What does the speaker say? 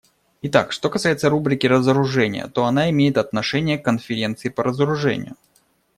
Итак, что касается рубрики разоружения, то она имеет отношение к Конференции по разоружению.